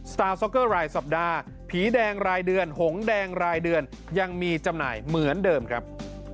ตาซ็อกเกอร์รายสัปดาห์ผีแดงรายเดือนหงแดงรายเดือนยังมีจำหน่ายเหมือนเดิมครับ